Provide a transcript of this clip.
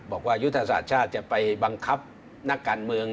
บอกว่ายุทธศาสตร์ชาติจะไปบังคับนักการเมือง